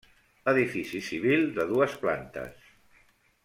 Edifici civil de dues plantes.